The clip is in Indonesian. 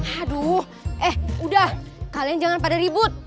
aduh eh udah kalian jangan pada ribut